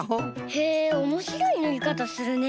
へえおもしろいぬりかたするね。